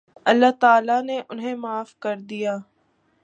اللہ تعالیٰ نے انھیں معاف کر دیا